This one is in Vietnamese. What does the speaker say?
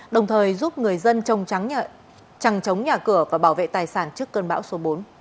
đồng thời giúp người dân trăng trống nhà cửa và bảo vệ tài sản trước cơn bão số bốn